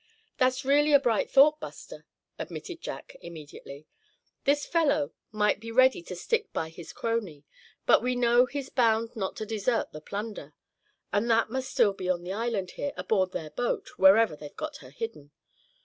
"That's really a bright thought, Buster," admitted Jack, immediately. "This fellow might be ready to stick by his crony; but we know he's bound not to desert the plunder; and that must still be on the island here, aboard their boat, wherever they've got her hidden.